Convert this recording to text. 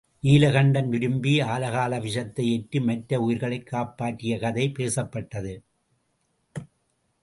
நீல கண்டன் விரும்பி ஆலகால விஷத்தை ஏற்று மற்ற உயிர்களைக் காப்பாற்றிய கதை பேசப்பட்டது.